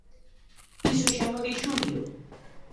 Iso xa mo di Xulio!